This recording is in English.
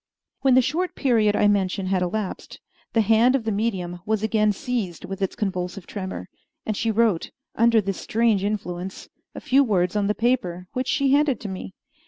When the short period I mention had elapsed, the hand of the medium was again seized with its convulsive tremor, and she wrote, under this strange influence, a few words on the paper, which she handed to me.